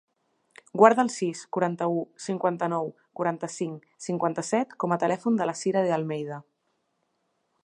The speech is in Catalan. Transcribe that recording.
Guarda el sis, quaranta-u, cinquanta-nou, quaranta-cinc, cinquanta-set com a telèfon de la Sira De Almeida.